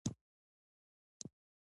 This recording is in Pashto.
لومړۍ ګڼه یې د جنوري په میاشت کې راځي.